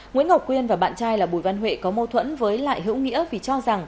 nguyễn ngọc quyên và bạn trai là bùi văn huệ có mâu thuẫn với lại hữu nghĩa vì cho rằng